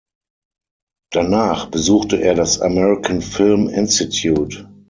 Danach besuchte er das American Film Institute.